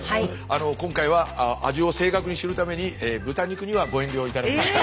今回は味を正確に知るために豚肉にはご遠慮を頂きました。